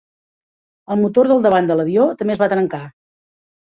El motor del davant de l'avió també es va trencar.